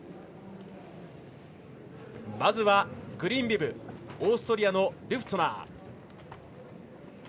まずは、グリーンビブオーストリアのルフトゥナー。